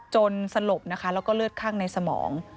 สลบนะคะแล้วก็เลือดข้างในสมอง